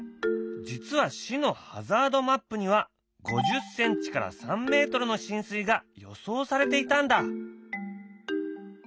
実は市のハザードマップには５０センチから３メートルの浸水が予想されていたんだ。